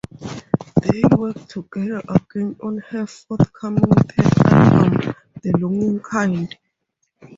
They worked together again on her forthcoming third album "The Longing Kind".